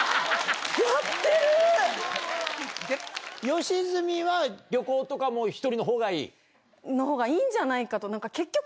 吉住は旅行とかも１人のほうがいい？のほうがいいんじゃないかと。